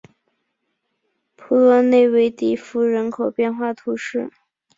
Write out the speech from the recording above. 普洛内韦迪福人口变化图示